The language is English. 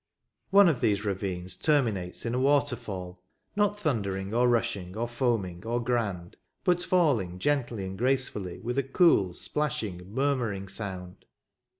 One of these ravines terminates in a waterfall, — not thundering, or rushing, or foaming, or grand, but falling gently and gracefully, with a cool, splashing, murmuring sound.